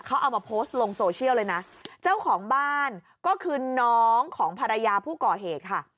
เขาเอามาโพสต์ลงโซเชียลเลยนะเจ้าของบ้านก็คือน้องของภรรยาผู้ก่อเหตุค่ะ